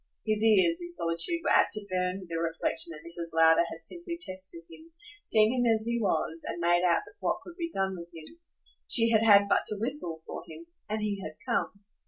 His ears, in solitude, were apt to burn with the reflexion that Mrs. Lowder had simply tested him, seen him as he was and made out what could be done with him. She had had but to whistle for him and he had come.